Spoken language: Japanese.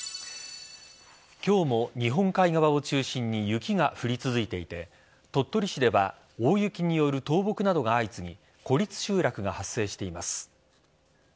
今日も日本海側を中心に雪が降り続いていて鳥取市では大雪による倒木などが相次ぎ孤立集落が発生しています。